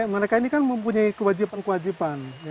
mereka ini kan mempunyai kewajiban kewajiban